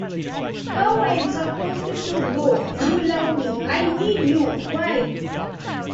How am I supposed to go? You love me, I need you. Why?